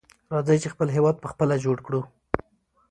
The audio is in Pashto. راځئ چې خپل هېواد په خپله جوړ کړو.